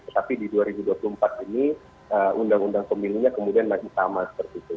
tetapi di dua ribu dua puluh empat ini undang undang pemilunya kemudian masih sama seperti itu